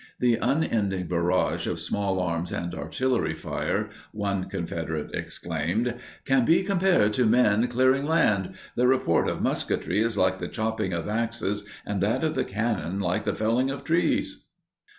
The unending barrage of small arms and artillery fire, one Confederate exclaimed, "can be compared to men clearing land—the report of musketry is like the chopping of axes and that of the cannon like the felling of trees."